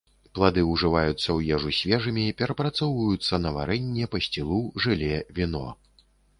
Плады ўжываюцца ў ежу свежымі, перапрацоўваюцца на варэнне, пасцілу, жэле, віно.